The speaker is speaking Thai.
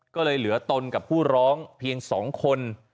ก็เลยเหลือตนกับผู้ร้องเพียง๒คน